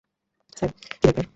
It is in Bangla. স্যার, কী ব্যাপার?